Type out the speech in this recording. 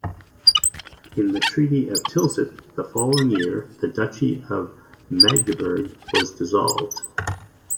In the Treaty of Tilsit the following year, the Duchy of Magdeburg was dissolved.